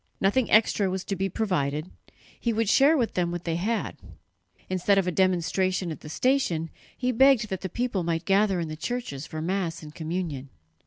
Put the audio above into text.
Nothing extra was to be provided; he would share with them what they had. Instead of a demonstration at the station, he begged that the people might gather in the churches for Mass and communion.